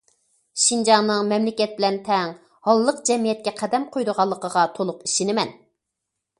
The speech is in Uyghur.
شىنجاڭنىڭ مەملىكەت بىلەن تەڭ ھاللىق جەمئىيەتكە قەدەم قويىدىغانلىقىغا تولۇق ئىشىنىمەن.